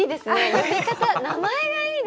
呼び方名前がいいですね。